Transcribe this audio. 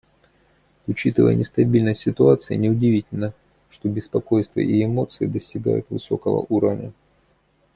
Учитывая нестабильность ситуации, неудивительно, что беспокойство и эмоции достигают высокого уровня.